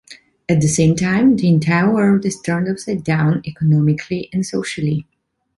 At the same time, the entire world is turned upside-down economically and socially.